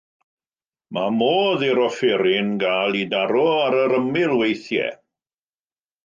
Mae modd i'r offeryn gael ei daro ar yr ymyl weithiau.